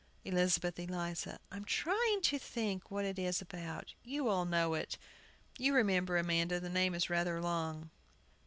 ] ELIZABETH ELIZA. I'm trying to think what it is about. You all know it. You remember, Amanda, the name is rather long.